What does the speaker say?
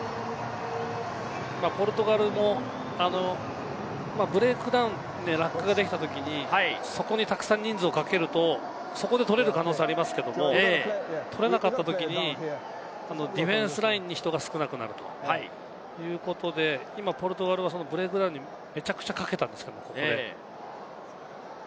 ポルトガルもブレイクダウン、ラックができたときに、そこにたくさん人数をかけると、そこで取れる可能性はありますけれども、取れなかったときにディフェンスラインに人が少なくなるということで、今ポルトガルはブレイクダウンにめちゃくちゃかけたんですよね。